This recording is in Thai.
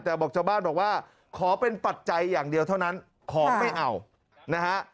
แต่บอกชาวบ้านบอกว่าขอเป็นปัจจัยอย่างเดียวเท่านั้นของไม่เอานะฮะ